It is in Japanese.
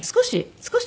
少し。